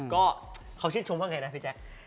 ก็เขาชื่นชมว่าไงนะพี่แจ๊ค